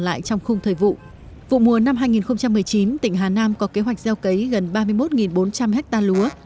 lại trong khung thời vụ vụ mùa năm hai nghìn một mươi chín tỉnh hà nam có kế hoạch gieo cấy gần ba mươi một bốn trăm linh ha lúa